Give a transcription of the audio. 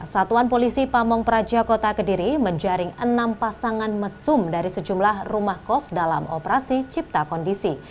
satuan polisi pamong praja kota kediri menjaring enam pasangan mesum dari sejumlah rumah kos dalam operasi cipta kondisi